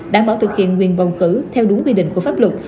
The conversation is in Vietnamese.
đảm bảo thực hiện quyền bầu cử theo đúng quy định của pháp luật